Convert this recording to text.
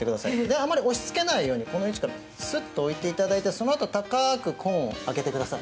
あまり押しつけないようにスッと置いていただいて、そのあとは高くコーンを上げてください。